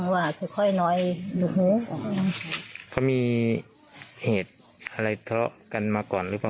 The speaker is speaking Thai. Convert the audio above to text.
วาดค่อยน้อยเขามีเหตุอะไรเพราะกันมาก่อนหรือเปล่า